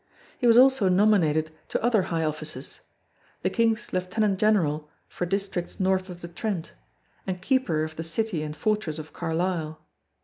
He was also nominated to other high offices: the King's Lieutenant General for districts north of the Trent; and Keeper of the city and fortress of Carlisle.